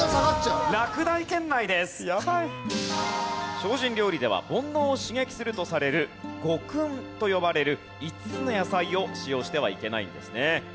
精進料理では煩悩を刺激するとされる五葷と呼ばれる５つの野菜を使用してはいけないんですね。